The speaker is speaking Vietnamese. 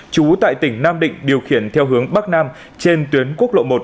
chú tại tỉnh nam định điều khiển theo hướng bắc nam trên tuyến quốc lộ một